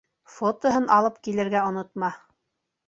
Фотоһын алып килергә онотма.